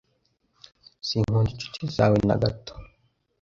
Sinkunda inshuti zawe na gato